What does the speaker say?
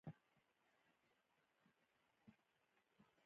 د خپل ټول آګاهانه ژوند له لومړۍ شېبې تر وروستۍ پورې کیسې کوي.